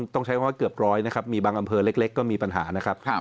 ต้องใช้คำว่าเกือบร้อยนะครับมีบางอำเภอเล็กก็มีปัญหานะครับ